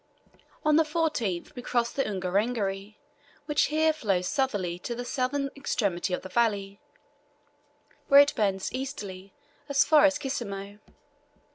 On the 14th we crossed the Ungerengeri, which here flows southerly to the southern extremity of the valley, where it bends easterly as far as Kisemo.